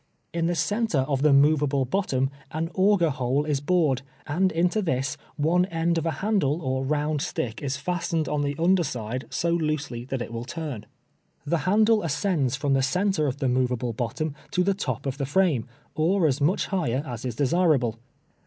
In the centre of the movable bottom an. auger hole is bored, and into this one end of a handle or round stick is fastened on the under side so loosely that it will turn. The handle ascends from the centre of the movable bottom to the top of the frame, or as much higher as is desirable.